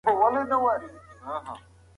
ساده ژوند د خلکو ځانګړنه ده.